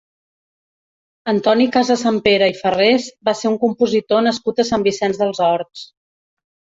Antoni Casasampere i Ferrés va ser un compositor nascut a Sant Vicenç dels Horts.